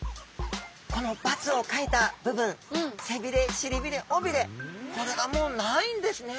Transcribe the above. この×を書いた部分せびれしりびれおびれこれがもうないんですね。